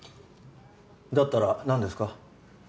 だったらなんですか？